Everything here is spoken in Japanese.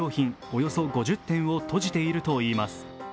およそ５０店を閉じているといいます。